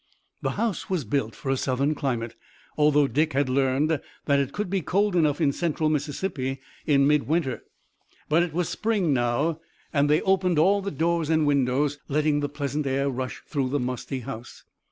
The house was built for a Southern climate, although Dick had learned that it could be cold enough in Central Mississippi in midwinter. But it was spring now and they opened all the doors and windows, letting the pleasant air rush through the musty house.